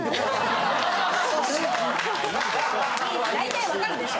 大体わかるでしょ。